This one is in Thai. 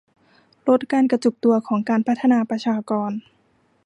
ลดการกระจุกตัวของการพัฒนาประชากร